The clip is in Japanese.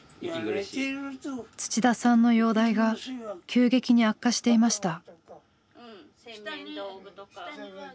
土田さんの容体が急激に悪化していました。